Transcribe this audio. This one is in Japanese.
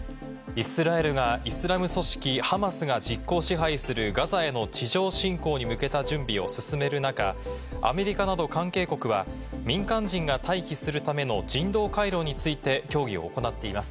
イスラエルがイスラム組織ハマスが実効支配するガザへの地上侵攻に向けた準備を進める中、アメリカなど関係国は民間人が退避するための人道回廊について、協議を行っています。